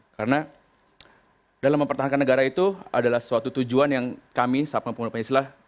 karena dalam mempertahankan negara itu adalah suatu tujuan yang kami sabkong pemuda pancasila